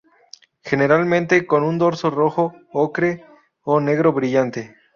Generalmente con un dorso rojo ocre o negro brillante.